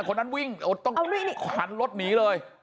คนนั้นวิ่งต้องขวัญรถหนีเลย